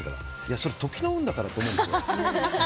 それは時の運だからと思うんですよ。